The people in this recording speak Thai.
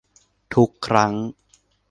ทุกครั้ง